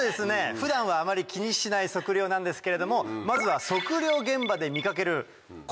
普段はあまり気にしない測量なんですけれどもまずは測量現場で見かけるこれ。